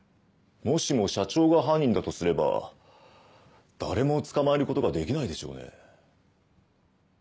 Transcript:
もしも社長が犯人だとすれば誰も捕まえることができないでしょうね。